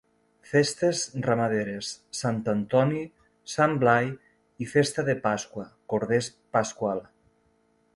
Festes ramaderes: Sant Antoni, Sant Blai i festa de Pasqua, Corder Pasqual.